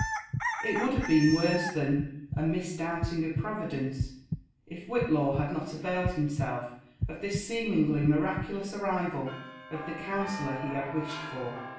It would have been worse than *' a misdoubting of Providence," if Whitlaw had not availed himself of this seemingly miraculous arrival of the counsellor he had wished for.